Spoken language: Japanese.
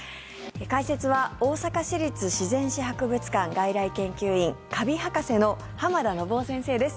解説は大阪市立自然史博物館外来研究員カビ博士の浜田信夫先生です。